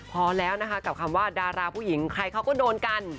พอแล้วนะคะกับคำว่าดาราผู้หญิงใครเขาก็โดนกัน